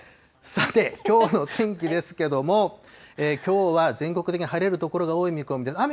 さて、きょうの天気ですけども、きょうは、全国的に晴れる所が多い見込みです。